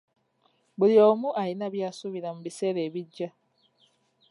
Buli omu alina byasubira mu biseera ebijja.